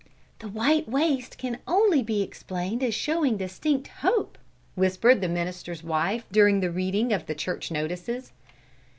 "The white waist can only be explained as showing distinct hope!" whispered the minister's wife during the reading of the church notices.